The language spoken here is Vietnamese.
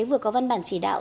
vừa văn bản chỉ đạo